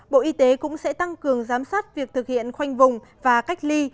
bộ y tế cũng sẽ tăng cường giám sát việc thực hiện khoanh vùng và cách ly